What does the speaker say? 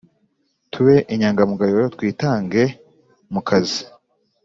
tube inyangamugayo twitange mukazi